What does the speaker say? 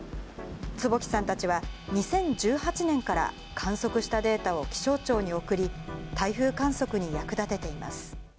坪木さんたちは、２０１８年から観測したデータを気象庁に送り、台風観測に役立てています。